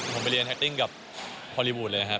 ผมไปเรียนแฮคติ้งกับฮอลลีวูดเลยครับ